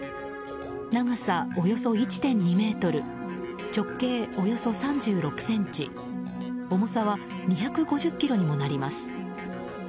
長さおよそ１．２ｍ直径およそ３６ｃｍ重さは２５０ｋｇにもなります。